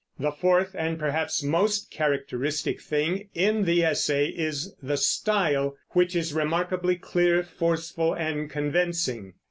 The fourth, and perhaps most characteristic thing in the essay is the style, which is remarkably clear, forceful, and convincing.